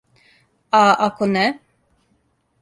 А, ако не?